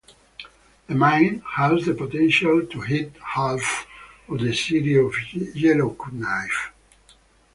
The mine has the potential to heat half of the city of Yellowknife.